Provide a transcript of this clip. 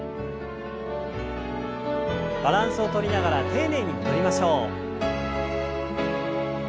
バランスをとりながら丁寧に戻りましょう。